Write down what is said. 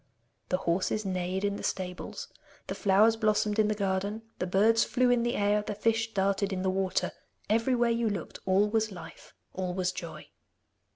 The horses neighed in the stables, the flowers blossomed in the garden, the birds flew in the air, the fish darted in the water. Everywhere you looked, all was life, all was joy!